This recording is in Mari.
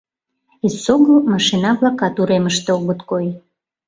Эсогыл машина-влакат уремыште огыт кой.